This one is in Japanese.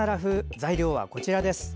材料はこちらです。